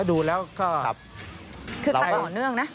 ดูแล้วก็ครับคือขั้นต่อเนื่องนะ